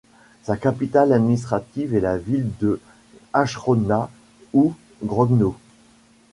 Sa capitale administrative est la ville de Hrodna ou Grodno.